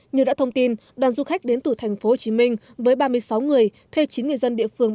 như đã thông tin đoàn du khách đến từ tp hcm với ba mươi sáu người thuê chín người dân địa phương